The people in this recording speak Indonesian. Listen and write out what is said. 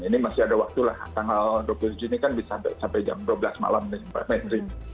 ini masih ada waktu lah tanggal dua puluh tujuh juni kan sampai jam dua belas malam pak menteri